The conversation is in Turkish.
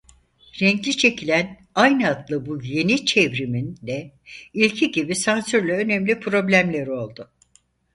Renkli çekilen aynı adlı bu yeni çevrimin de ilki gibi sansürle önemli problemleri oldu.